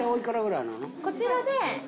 こちらで。